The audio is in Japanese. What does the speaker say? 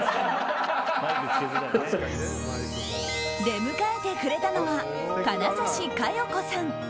出迎えてくれたのは金指加代子さん。